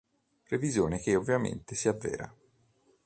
Previsione che ovviamente si avvera.